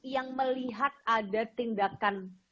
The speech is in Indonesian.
yang melihat ada tindakan